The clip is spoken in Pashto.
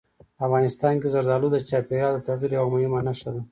افغانستان کې زردالو د چاپېریال د تغیر یوه مهمه نښه ده.